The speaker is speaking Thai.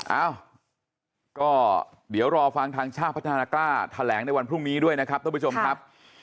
เอ้าก็เดี๋ยวรอฟังทางชาติพัฒนากล้าแถลงในวันพรุ่งนี้ด้วยนะครับ